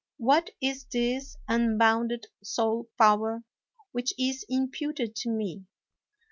What is this unbounded sole power which is imputed to me